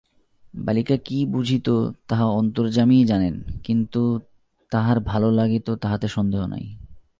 বালিকা কী বুঝিত তাহা অন্তর্যামীই জানেন, কিন্তু তাহার ভালো লাগিত তাহাতে সন্দেহ নাই।